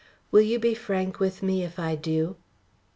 "Will you be frank with me if I do?"